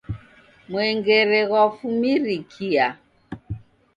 Mwengere ghwafumirikia.